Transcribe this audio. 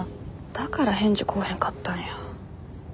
だから返事こーへんかったんや。